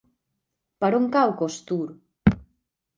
Per on cau Costur?